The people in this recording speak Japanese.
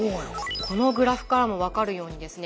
このグラフからも分かるようにですね